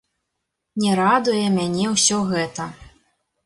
Не радуе мяне ўсё гэта!